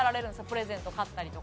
プレゼント買ったりとか。